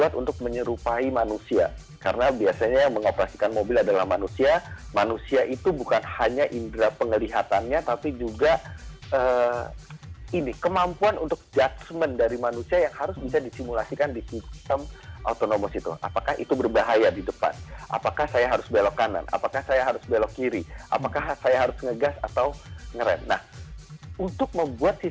tentunya semua pihak berusaha menghindari kemungkinan paling buruk dari cara menghidupkan mobil mobil otonom ini